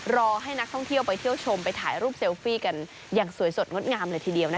รอให้นักท่องเที่ยวไปเที่ยวชมไปถ่ายรูปเซลฟี่กันอย่างสวยสดงดงามเลยทีเดียวนะคะ